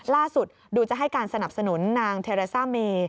ล่าสุดดูจะให้การสนับสนุนนางเทราซ่าเมย์